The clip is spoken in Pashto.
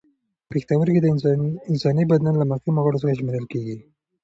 پښتورګي د انساني بدن له مهمو غړو څخه شمېرل کېږي.